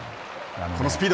このスピード。